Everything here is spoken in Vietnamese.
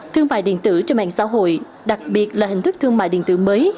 thương mại điện tử trên mạng xã hội đặc biệt là hình thức thương mại điện tử mới